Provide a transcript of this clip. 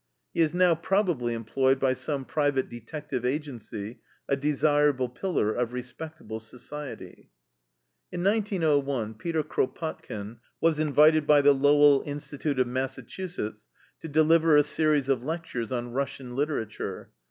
He is now probably employed by some private detective agency, a desirable pillar of respectable society. In 1901 Peter Kropotkin was invited by the Lowell Institute of Massachusetts to deliver a series of lectures on Russian literature.